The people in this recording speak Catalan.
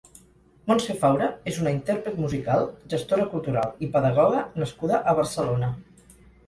Montse Faura és una intèrpret musical, gestora cultural i pedagoga nascuda a Barcelona.